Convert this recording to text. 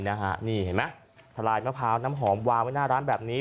นี่เห็นไหมทะลายมะพร้าวน้ำหอมวางไว้หน้าร้านแบบนี้